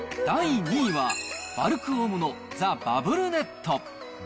第２位は、バルクオムのザ・バブルネット。